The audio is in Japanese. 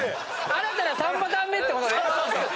新たな３パターン目ってことね。